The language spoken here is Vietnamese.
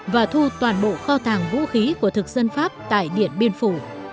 và thu toàn bộ kho tàng vũ khí của thực dân pháp tại điện biên phủ